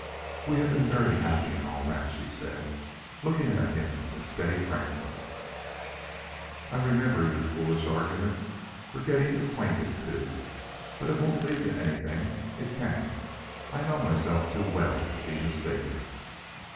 "We have been very happy and all that," she said, looking at him with steady frankness. "I remember your foolish argument for getting acquainted, too; but it won't lead to anything; it can't. I know myself too well to be mistaken."